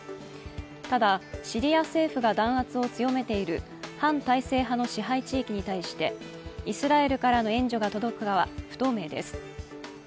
ただシリア政府が弾圧を強めている反体制派の支配地域に対してイスラエルの援助が届くかは不透明です。